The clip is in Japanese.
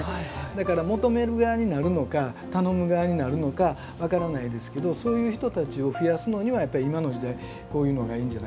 だから求める側になるのか頼む側になるのか分からないですけどそういう人たちを増やすのにはやっぱり今の時代こういうのがいいんじゃないか。